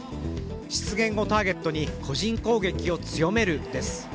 失言をターゲットに個人攻撃を強めるです。